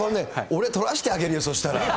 俺、撮らしてあげるよ、そうしたら。